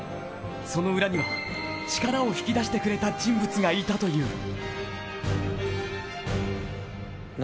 その裏には、力を引き出してくれた人物がいたという。